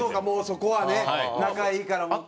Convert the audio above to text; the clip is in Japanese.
もうそこはね仲いいから。